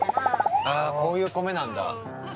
ああこういうコメなんだ。